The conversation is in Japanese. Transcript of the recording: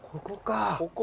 ここ？